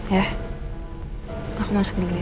ya aku masuk dulu